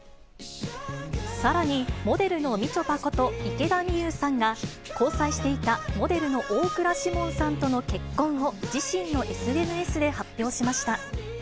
さらに、モデルのみちょぱこと池田美優さんが、交際していたモデルの大倉士門さんとの結婚を自身のＳＮＳで発表しました。